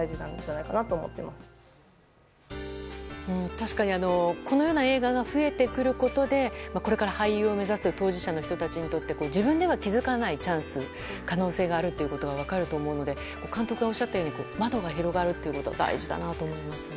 確かに、このような映画が増えてくることでこれから俳優を目指す当事者の人たちにとって自分では気づかないチャンス可能性があると分かると思うので監督がおっしゃったように窓が広がるってことは大事だなと思いますね。